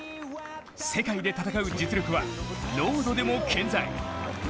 世界で戦う実力はロードでも健在。